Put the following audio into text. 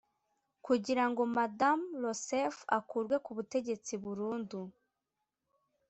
Kugira ngo Madamu Rousseff akurwe ku butegetsi burundu